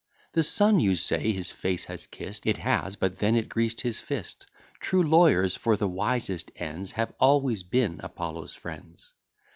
The sun, you say, his face has kiss'd: It has; but then it greased his fist. True lawyers, for the wisest ends, Have always been Apollo's friends.